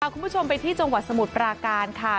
คุณผู้ชมไปที่จังหวัดสมุทรปราการค่ะ